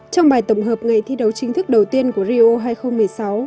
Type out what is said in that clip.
trong bài tổng hợp ngày thi đấu chính thức đầu tiên của rio hai nghìn một mươi sáu